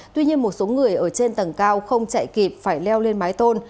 tuy nhiên một số người ở trên tầng cao không chạy kịp phải leo lên mái tôn